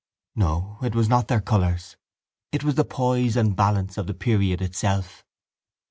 No, it was not their colours: it was the poise and balance of the period itself.